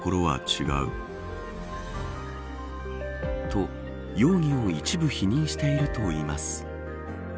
と、容疑を一部否認しているといいます。